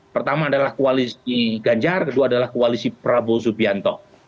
pertama adalah koalisi ganjar kedua adalah koalisi prabowo subianto